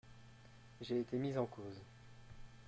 J’ai été mis en cause.